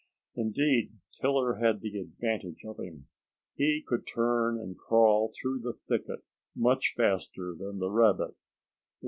Indeed, Killer had the advantage of him. He could turn and crawl through the thicket much faster than the rabbit.